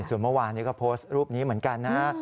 ส่วนเมื่อวานนี้ก็โพสต์รูปนี้เหมือนกันนะ